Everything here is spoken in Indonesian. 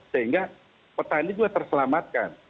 sehingga petani juga terselamatkan